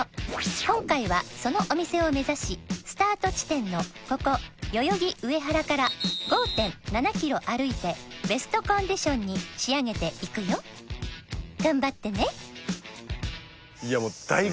今回はそのお店を目指しスタート地点のここ代々木上原から５．７キロ歩いてベストコンディションに仕上げていくよ頑張ってねいや